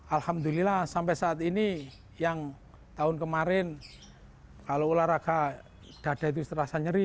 alhamdulillah sampai saat ini yang tahun kemarin kalau olahraga dada itu terasa nyeri